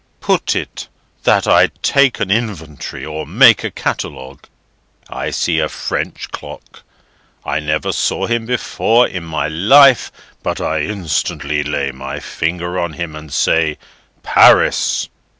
Put it that I take an inventory, or make a catalogue. I see a French clock. I never saw him before, in my life, but I instantly lay my finger on him and say 'Paris!